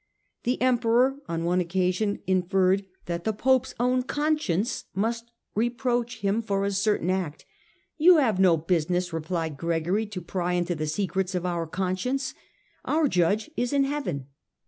The Emperor on one occasion inferred that the Pope's own conscience must reproach him for a certain act. " You have no business," replied Gregory, " to pry into the secrets of our conscience ; our Judge is in Heaven."